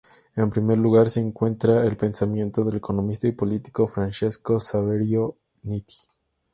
En primer lugar se encuentra el pensamiento del economista y político Francesco Saverio Nitti.